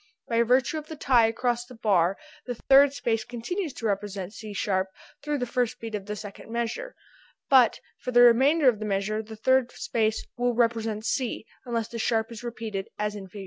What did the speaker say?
By virtue of the tie across the bar the third space continues to represent C sharp thru the first beat of the second measure, but for the remainder of the measure the third space will represent C unless the sharp is repeated as in Fig.